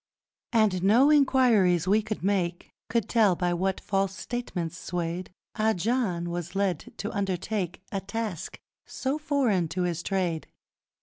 And no enquiries we could make Could tell by what false statements swayed Ah John was led to undertake A task so foreign to his trade!